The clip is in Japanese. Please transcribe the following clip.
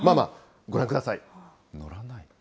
ご覧ください。